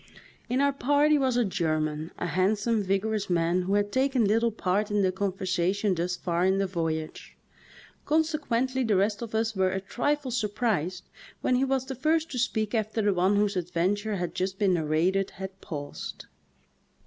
In our party was a German, a handsome, vigor ous man, who had taken little part in the conver sation thus far in the voyage. Consequently the rest of us were a trifle surprised when he was the first to speak after the one whose adventure had just been narrated had paused.